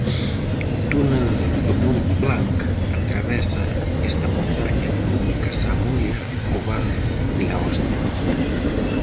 O túnel do Montblanc atravesa esta montaña e comunica Savoia co val de Aosta.